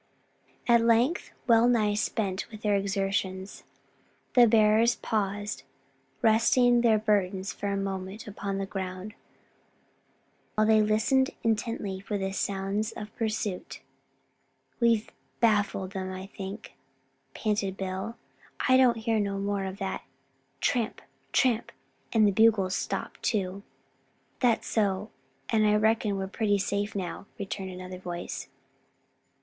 At length, well nigh spent with their exertions, the bearers paused, resting their burdens for a moment upon the ground, while they listened intently for the sounds of pursuit. "We've baffled 'em, I think," panted Bill, "I don't hear no more of that tramp, tramp, and the bugle's stopped too." "That's so and I reckon we're pretty safe now," returned another voice.